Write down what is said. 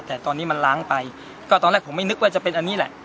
แต่ตอนนี้มันล้างไปก็ตอนแรกผมไม่นึกว่าจะเป็นอันนี้แหละ